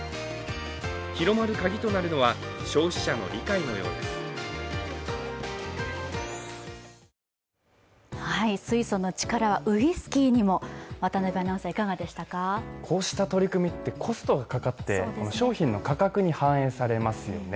広まるカギとなるのは消費者の理解のようです水素の力はウイスキーにもこうした取り組みってコストがかかって、商品の価格に反映されますよね。